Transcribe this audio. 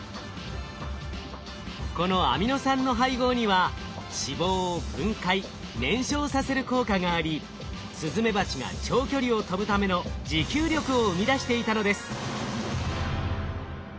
このアミノ酸の配合には脂肪を分解燃焼させる効果がありスズメバチが長距離を飛ぶための持久力を生み出していたのです。